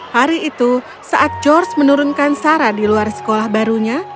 hari itu saat george menurunkan sarah di luar sekolah barunya